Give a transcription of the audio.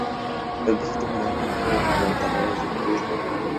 Empezó la temporada como titular, compartiendo carreras con Chris Brown.